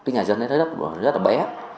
nhà dân rất là bé